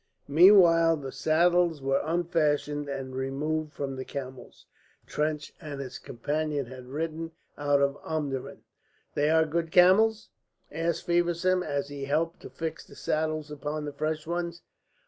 Meanwhile the saddles were unfastened and removed from the camels Trench and his companion had ridden out of Omdurman. "They are good camels?" asked Feversham, as he helped to fix the saddles upon the fresh ones.